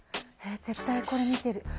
絶対、これ見てる。